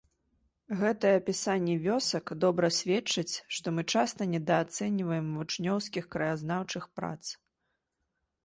Гэтыя апісанні вёсак добра сведчаць, што мы часта недаацэньваем вучнёўскіх краязнаўчых прац.